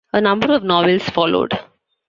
A number of novels followed.